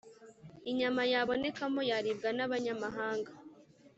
inyama yabonekamo yaribwa n’abanyamahanga.